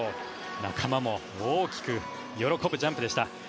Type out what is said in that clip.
仲間も大きく喜ぶジャンプでした。